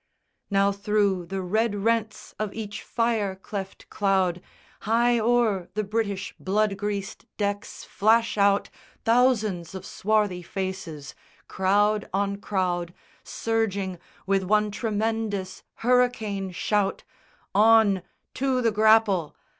Now through the red rents of each fire cleft cloud, High o'er the British blood greased decks flash out Thousands of swarthy faces, crowd on crowd Surging, with one tremendous hurricane shout On, to the grapple!